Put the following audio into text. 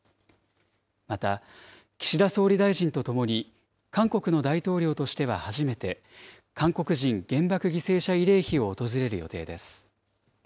また、岸田総理大臣とともに韓国の大統領としては初めて、韓国人原爆犠牲者慰霊碑を訪れる予定です。